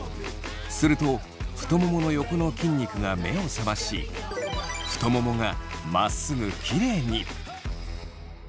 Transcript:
すると太ももの横の筋肉が目を覚まし太ももがまっすぐキレイに。